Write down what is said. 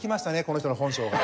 この人の本性が。